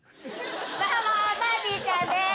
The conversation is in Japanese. どうもぱーてぃーちゃんです！